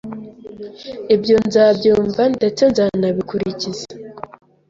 ibyo nzabyumva ndetse nzanabikurikiza